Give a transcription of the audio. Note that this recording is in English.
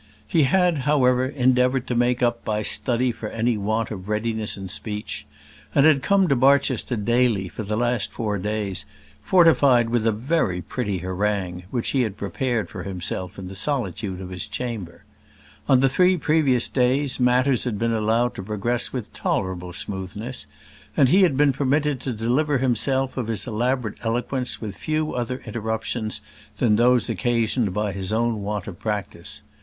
He had, however, endeavoured to make up by study for any want of readiness of speech, and had come to Barchester daily, for the last four days, fortified with a very pretty harangue, which he had prepared for himself in the solitude of his chamber. On the three previous days matters had been allowed to progress with tolerable smoothness, and he had been permitted to deliver himself of his elaborate eloquence with few other interruptions than those occasioned by his own want of practice.